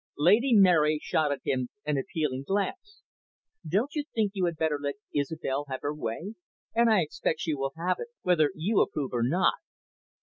Lady Mary shot at him an appealing glance. "Don't you think you had better let Isobel have her way? And I expect she will have it whether you approve or not."